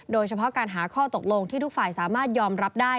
โดยเฉพาะการหาข้อตกลงที่ทุกฝ่ายสามารถยอมรับได้